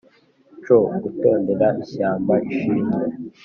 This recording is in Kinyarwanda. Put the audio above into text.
coo gutondeka ishyamba ishimwe